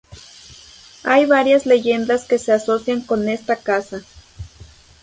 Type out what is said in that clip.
Hay varias leyendas que se asocian con esta casa.